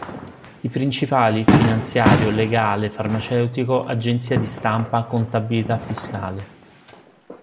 I principali: finanziario, legale, farmaceutico, agenzia di stampa, contabilità fiscale.